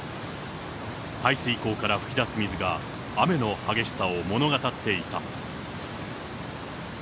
排水溝から噴き出す水が、雨の激しさを物語っていた。